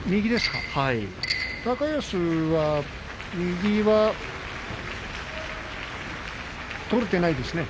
高安は右は取れてないですね。